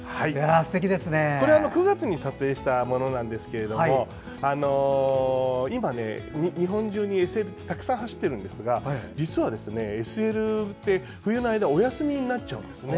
これは９月に撮影したものなんですが今、日本中にＳＬってたくさん走っているんですが実はＳＬって冬の間お休みになっちゃうんですね。